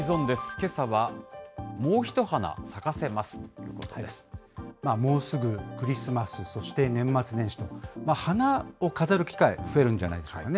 けさは、もう一花咲かせます！ともうすぐクリスマス、そして年末年始と、花を飾る機会、増えるんじゃないでしょうかね。